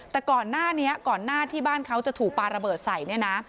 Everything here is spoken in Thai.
แต่ก่อนหน้าที่บ้านเขาจะถูกปลาระเบิดใส่